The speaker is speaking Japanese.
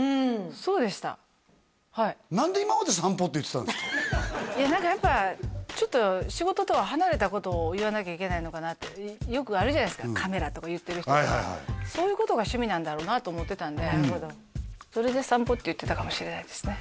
そうでしたはいいや何かやっぱちょっと仕事とは離れたことを言わなきゃいけないのかなってよくあるじゃないですかカメラとか言ってる人とかそういうことが趣味なんだろうなと思ってたんでじゃあ嘘ついてたんですね